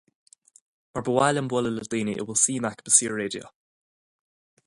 Mar ba mhaith liom bualadh le daoine a bhfuil suim acu i saor-raidió.